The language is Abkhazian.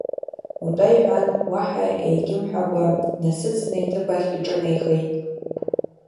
Утәа, – иҳәан, уаҳа егьымҳәакәа днасыдҵны иҭыԥ ахь иҿынеихеит.